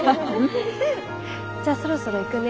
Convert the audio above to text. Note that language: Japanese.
じゃあそろそろ行くね。